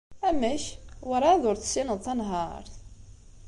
Amek... werɛad ur tessineḍ tanhaṛt?